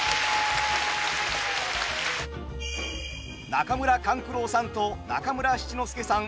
中村勘九郎さんと中村七之助さん